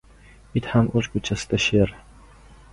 • It ham o‘z ko‘chasida — sher.